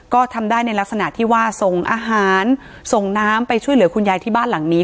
ก็ทำได้ในลักษณะที่ว่าส่งอาหารส่งน้ำไปช่วยเหลือคุณยายที่บ้านหลังนี้